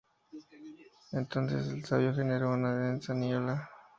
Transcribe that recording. Entonces el sabio generó una densa niebla.